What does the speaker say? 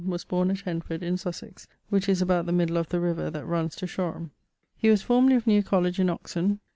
_) was born at Henford in Sussex, which is about the middle of the river that runnes to Shoreham. He was formerly of New Colledge in Oxon.